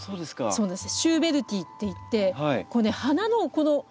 そうなんです。